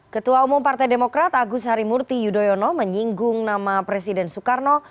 ketua umum partai demokrat agus harimurti yudhoyono menyinggung nama presiden soekarno